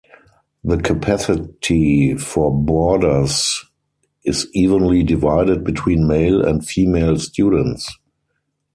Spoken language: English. The capacity for boarders is evenly divided between male and female students.